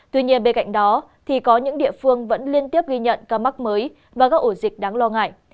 tuy nhiên bên cạnh đó thì có những địa phương vẫn liên tiếp ghi nhận ca mắc mới và các ổ dịch đáng lo ngại